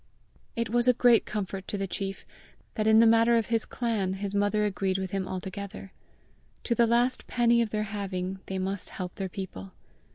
It was a great comfort to the chief that in the matter of his clan his mother agreed with him altogether: to the last penny of their having they must help their people!